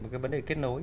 và các vấn đề kết nối